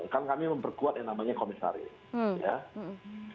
kan kami memperkuat yang namanya komisaris